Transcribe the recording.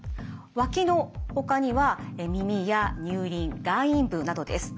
わきのほかには耳や乳輪外陰部などです。